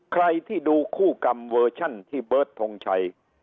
ใครที่ดูคู่กรรมเวอร์ชันที่เบิร์ตทงชัย